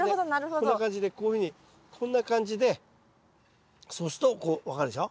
こんな感じでこういうふうにこんな感じでそうするとこう分かるでしょ？